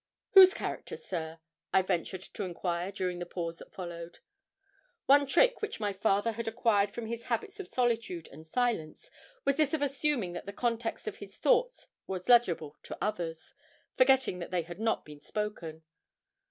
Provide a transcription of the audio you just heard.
'Whose character, sir?' I ventured to enquire during the pause that followed. One trick which my father had acquired from his habits of solitude and silence was this of assuming that the context of his thoughts was legible to others, forgetting that they had not been spoken.